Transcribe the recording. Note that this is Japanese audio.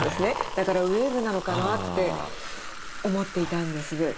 だからウエーブなのかなって思っていたんです。